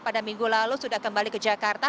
pada minggu lalu sudah kembali ke jakarta